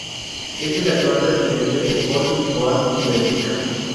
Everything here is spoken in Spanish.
Es el actual presidente de Sport Lisboa y Benfica.